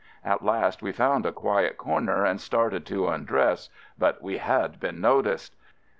At last we found a quiet corner and started to undress — but we had been noticed!